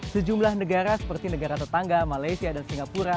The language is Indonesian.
sejumlah negara seperti negara tetangga malaysia dan singapura